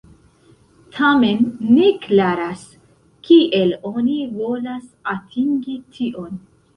Tamen ne klaras, kiel oni volas atingi tion.